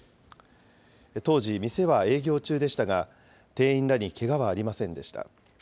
当時、店は営業中でしたが、店員らにけがはありませんでした。